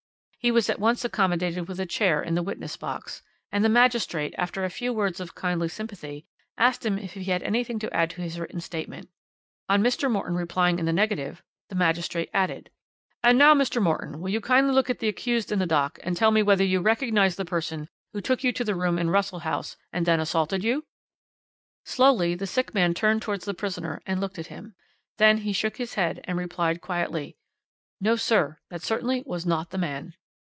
"He was at once accommodated with a chair in the witness box, and the magistrate, after a few words of kindly sympathy, asked him if he had anything to add to his written statement. On Mr. Morton replying in the negative, the magistrate added: "'And now, Mr. Morton, will you kindly look at the accused in the dock and tell me whether you recognize the person who took you to the room in Russell House and then assaulted you?' "Slowly the sick man turned towards the prisoner and looked at him; then he shook his head and replied quietly: "'No, sir, that certainly was not the man.'